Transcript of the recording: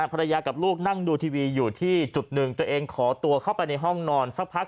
ภรรยากับลูกนั่งดูทีวีอยู่ที่จุดหนึ่งตัวเองขอตัวเข้าไปในห้องนอนสักพัก